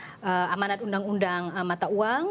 apakah ini adalah amanat undang undang mata uang